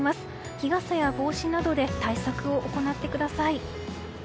日傘や帽子などで対策を行ってください。